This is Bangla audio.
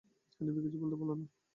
হানিফা কিছু বলতে পারল না।